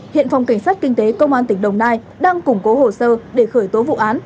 hiện phòng cảnh sát kinh tế công an tỉnh đồng nai đang củng cố hồ sơ để khởi tố vụ án